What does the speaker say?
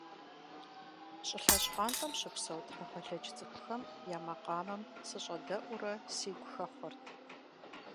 ЩӀылъэ щхъуантӀэм щыпсэу тхьэгъэлэдж цӀыкӀухэм я макъамэм сыщӀэдэӀуурэ сигу хэхъуэрт.